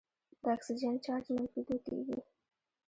د اکسیجن چارج منفي دوه کیږي.